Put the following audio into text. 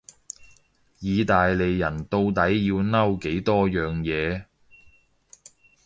意大利人到底要嬲幾多樣嘢？